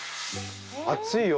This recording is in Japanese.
熱いよ。